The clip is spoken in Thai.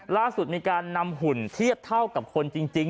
ล่าสุดมีการนำหุ่นเทียบเท่ากับคนจริง